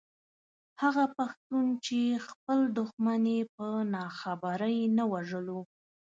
هغه پښتون چې خپل دښمن يې په ناخبرۍ نه وژلو.